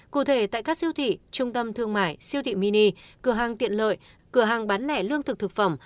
cụ thể tại các siêu thị trung tâm thương mại siêu thị mini cửa hàng tiện lợi cửa hàng bán lẻ lương thực thực phẩm